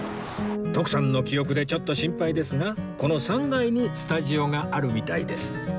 徳さんの記憶でちょっと心配ですがこの３階にスタジオがあるみたいです